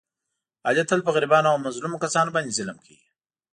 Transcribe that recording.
علي تل په غریبانو او مظلومو کسانو باندې ظلم کوي.